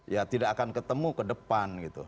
ya tidak akan ketemu ke depan gitu